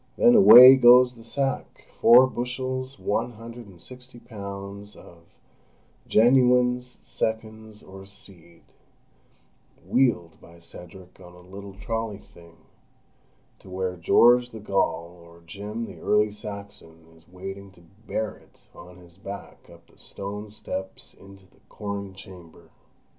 Then away goes the sack—four bushels, one hundred and sixty pounds of "genuines, seconds, or seed"—wheeled by Cedric on a little trolley thing, to where George the Gaul or Jim the Early Saxon is waiting to bear it on his back up the stone steps into the corn chamber.